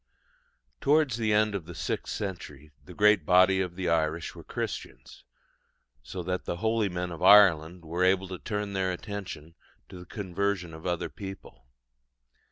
Towards the end of the sixth century the great body of the Irish were Christians, so that the holy men of Ireland were able to turn their attention to the conversion of other people.